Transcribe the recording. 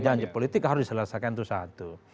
janji politik harus diselesaikan itu satu